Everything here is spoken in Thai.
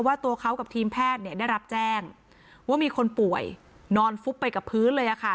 ตัวเขากับทีมแพทย์ได้รับแจ้งว่ามีคนป่วยนอนฟุบไปกับพื้นเลยค่ะ